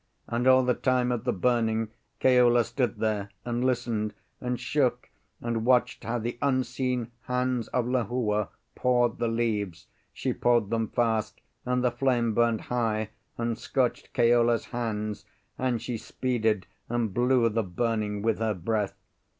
And all the time of the burning, Keola stood there and listened, and shook, and watched how the unseen hands of Lehua poured the leaves. She poured them fast, and the flame burned high, and scorched Keola's hands; and she speeded and blew the burning with her breath.